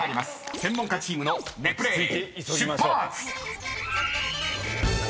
［専門家チームのネプレール出発！］